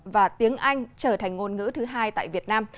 và tiếng anh trở thành ngôn ngữ thứ hai tại việt nam